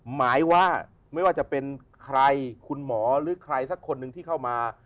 หมายว่าไม่ว่าจะเป็นใครคุณหมอหรือใครสักคนหนึ่งที่เข้ามา